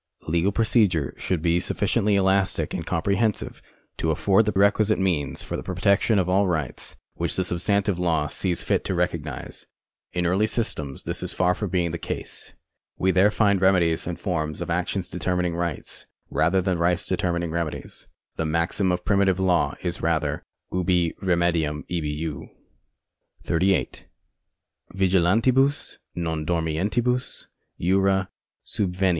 Legal procedure should be sulTlciently elastic and comprehensive to afford the requisite means for the protection of all rights which the substantive law sees lit to recognise. In early systems this is far from being the case. We there lind remedies and forms of action determining rights, rather than rights determining remedies. The maxim of primitive law is rather, Ubi remcdium ibi jus. 38. ViGILANTIBUS NON DORMIENTIBUS JURA SUBVENIUNT. Cf. D.